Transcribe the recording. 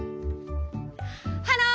ハロー！